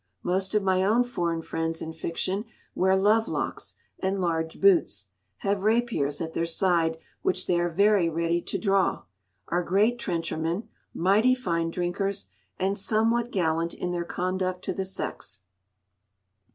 Most of my own foreign friends in fiction wear love locks and large boots, have rapiers at their side which they are very ready to draw, are great trenchermen, mighty fine drinkers, and somewhat gallant in their conduct to the sex.